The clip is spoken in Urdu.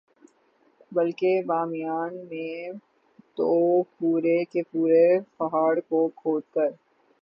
بلکہ بامیان میں تو پورے کے پورے پہاڑ کو کھود کر